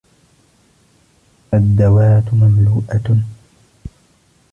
الدَّواةُ مَمْلُوءَةٌ.